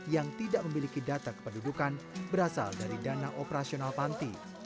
yang tidak memiliki data kependudukan berasal dari dana operasional panti